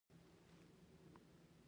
لعل د افغان ماشومانو د لوبو موضوع ده.